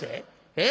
えっ？